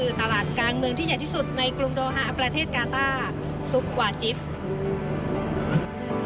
ในกรุงโดฮาประเทศกาต้าสุกวาจิฟต์